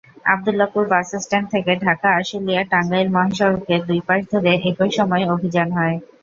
Abdullahpur bus stand থেকে ঢাকা-আশুলিয়া-টাঙ্গাইল মহাসড়কের দুই পাশ ধরে একই সময় অভিযান হয়।